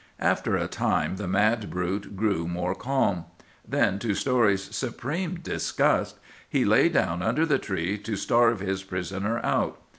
"After a time the mad brute grew more calm. Then, to Story's supreme disgust, he lay down under the tree to starve his prisoner out.